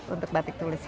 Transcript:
untuk batik tulis